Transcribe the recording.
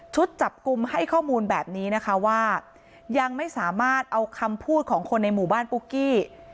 จับกลุ่มให้ข้อมูลแบบนี้นะคะว่ายังไม่สามารถเอาคำพูดของคนในหมู่บ้านปุ๊กกี้